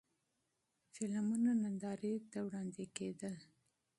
فلمونه نندارې ته کېښودل کېدل.